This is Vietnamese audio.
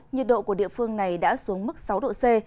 nhiệt độ của địa phương này đã xuống mức sáu độ c